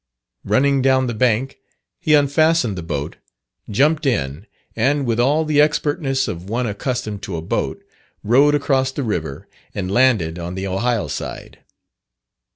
Running down the bank, he unfastened the boat, jumped in, and with all the expertness of one accustomed to a boat, rowed across the river and landed on the Ohio side.